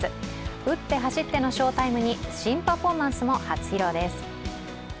打って走っての翔タイムに新パフォーマンスも初披露です。